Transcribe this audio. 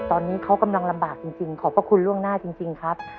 ตอนนี้เขากำลังลำบากจริงขอบพระคุณล่วงหน้าจริงครับ